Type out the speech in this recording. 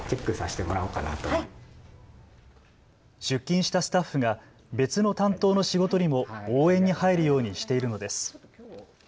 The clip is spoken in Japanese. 出勤したスタッフが別の担当の仕事にも応援に入るようにしているのです。